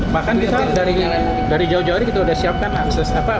bahkan kita dari jauh jauh hari kita sudah siapkan akses